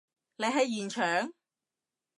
你喺現場？